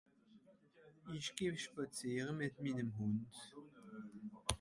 isch geh spàziere mìt minem Hùnd